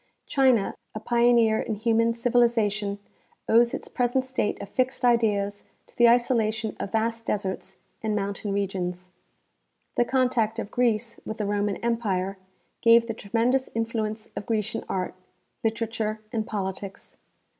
China, a pioneer in human civilization, owes its present state of fixed ideas to the isolation of vast deserts and mountain re gions. The contact of Greece with the Roman empire gave the tremendous influence of Grecian art, literature and politics.